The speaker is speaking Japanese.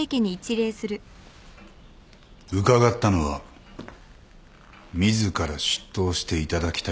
伺ったのは自ら出頭していただきたいからです。